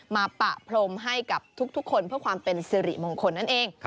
ปะพรมให้กับทุกคนเพื่อความเป็นสิริมงคลนั่นเอง